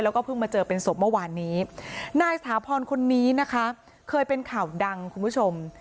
แล้วก็เพิ่งมาเจอเป็นศพเมื่อวานนี้นายสถาพรคนนี้นะคะเคยเป็นข่าวดังคุณผู้ชม